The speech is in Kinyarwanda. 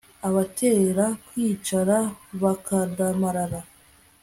Abatera kwicara bakadamarara